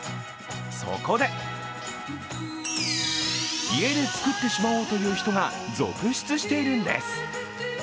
そこで、家で作ってしまおうという人が続出しているんです。